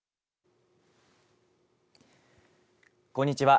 こんにちは。